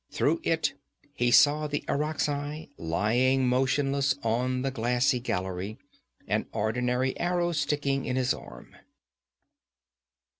Through it he saw the Irakzai lying motionless on the glassy gallery, an ordinary arrow sticking in his arm.